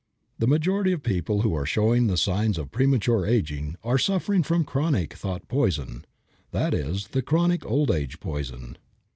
The majority of people who are showing the signs of premature aging are suffering from chronic thought poison, that is, the chronic old age poison.